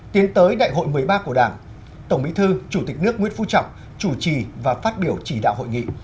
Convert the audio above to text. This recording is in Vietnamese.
tiến tới đại hội một mươi ba của đảng tổng bí thư chủ tịch nước nguyễn phú trọng chủ trì và phát biểu chỉ đạo hội nghị